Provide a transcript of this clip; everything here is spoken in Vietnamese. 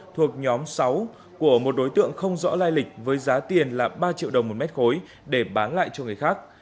thuộc nhóm sáu của một đối tượng không rõ lai lịch với giá tiền là ba triệu đồng một mét khối để bán lại cho người khác